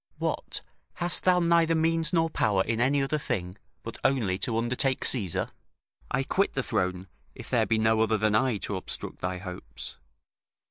What, hast thou neither means nor power in any other thing, but only to undertake Caesar? I quit the throne, if there be no other than I to obstruct thy hopes.